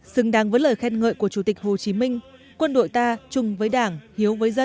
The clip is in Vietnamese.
xứng đáng với lời khen ngợi của chủ tịch hồ chí minh